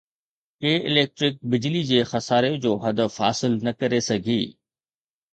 ڪي electric بجلي جي خساري جو هدف حاصل نه ڪري سگهي